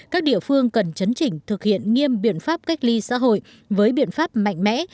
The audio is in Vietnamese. các địa phương cần chấn chỉnh thực hiện nghiêm biện pháp cách ly xã hội với biện pháp mạnh mẽ